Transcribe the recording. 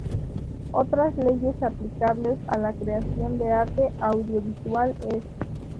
Otras leyes aplicables a la creación de arte audiovisual es